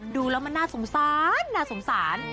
ดูแล้วมันน่าสงสารน่าสงสาร